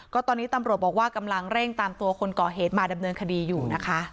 ก็ตอนนี้ตำรวจบอกว่ากำลังเร่งตามตัวคนก่อเหตุมาดำเนินคดีอยู่นะคะ